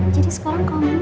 jadi sekarang kamu